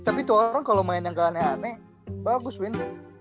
tapi tuh orang kalau main yang gak aneh aneh bagus win